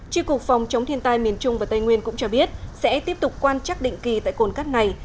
tri cục phòng chống thiên tai miền trung và tây nguyên cũng cho biết sẽ tiếp tục quan chắc định kỳ tại cồn cát này